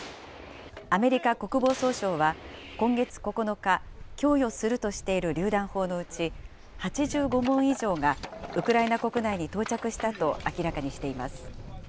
アメリカ国防総省は、今月９日、供与するとしているりゅう弾砲のうち８５門以上が、ウクライナ国内に到着したと明らかにしています。